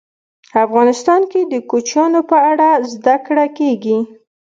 افغانستان کې د کوچیانو په اړه زده کړه کېږي.